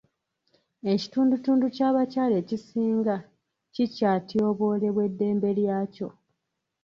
Ekitundutundu ky'abakyala ekisinga kikyatyoboolebwa eddembe lyakyo.